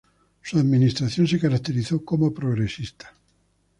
Su administración se caracterizó como progresista.